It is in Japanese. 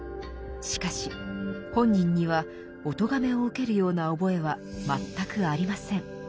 しかし本人にはおとがめを受けるような覚えは全くありません。